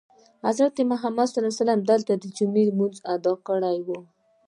حضرت محمد دلته دجمعې لمونځ ادا کړی وو.